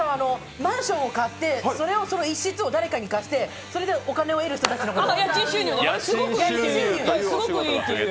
マンションを買って、それの一室を誰かに貸してそれでお金を得る人たちのこと？